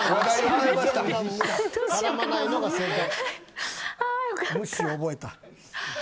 絡まないのが正解。